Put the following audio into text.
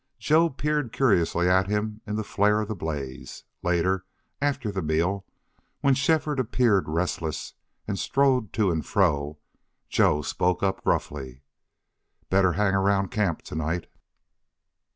Joe peered curiously at him in the flare of the blaze. Later, after the meal, when Shefford appeared restless and strode to and fro, Joe spoke up gruffly: "Better hang round camp to night."